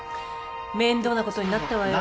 面倒なことになったわよ。